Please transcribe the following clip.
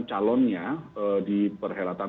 calonnya di perhelatan